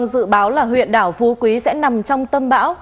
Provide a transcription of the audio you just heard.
dự báo là huyện đảo phú quý sẽ nằm trong tâm bão